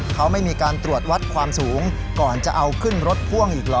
เขาไม่มีการตรวจวัดความสูงก่อนจะเอาขึ้นรถพ่วงอีกเหรอ